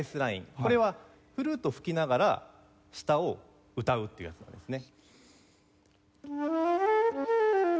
これはフルートを吹きながら下を歌うってやつなんですね。